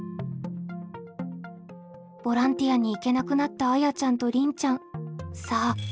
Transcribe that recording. ボランティアに行けなくなったあやちゃんとりんちゃん。